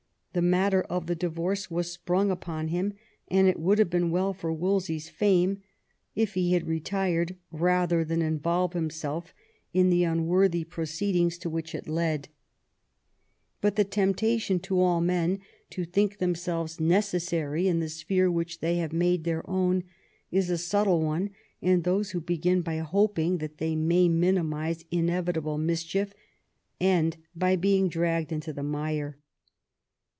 The matter of the divorce was sprung upon him, and it would have been well for Wolsey's fame if he had retired rather than involve him self in the unworthy proceedings to which it led. But XI THE WORK OF WOLSEY 215 the temptation to all men to think themselves necessary *in the sphere which they have made their own is a subtle one; and those who begin by hoping that they may minimise inevitable mischief, end by being dragged into the mire.